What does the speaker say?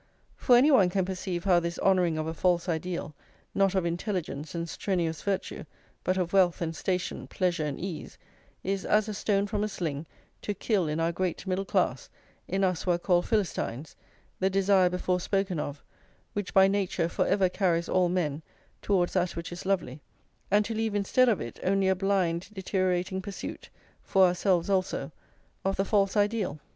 "+ For any one can perceive how this honouring of a false ideal, not of intelligence and strenuous virtue, but of wealth and station, pleasure and ease, is as a stone from a sling to kill in our great middle class, in us who are called Philistines, the desire before spoken of, which by nature for ever carries all men towards that which is lovely; and to leave instead of it only a blind deteriorating pursuit, for ourselves also, of the false ideal.